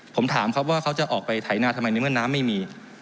ผมถามครับว่าเขาจะออกไปไถนาทำไมในเมื่อน้ำไม่มี